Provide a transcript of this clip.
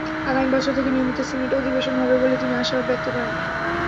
আগামী বছর থেকে নিয়মিত সিনেট অধিবেশন হবে বলে তিনি আশাবাদ ব্যক্ত করেন।